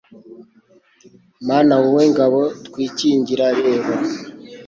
Mana wowe ngabo twikingira reba